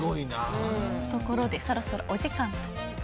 ところでそろそろお時間と。